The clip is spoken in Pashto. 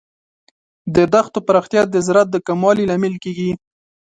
د دښتو پراختیا د زراعت د کموالي لامل کیږي.